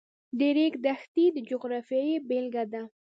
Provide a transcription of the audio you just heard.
د ریګ دښتې د جغرافیې بېلګه ده.